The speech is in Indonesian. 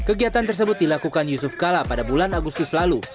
kegiatan tersebut dilakukan yusuf kala pada bulan agustus lalu